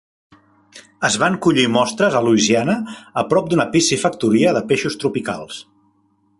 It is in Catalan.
Es van collir mostres a Louisiana a prop d'una piscifactoria de peixos tropicals.